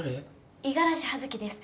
五十嵐葉月です